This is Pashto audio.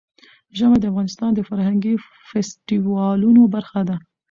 ژمی د افغانستان د فرهنګي فستیوالونو برخه ده.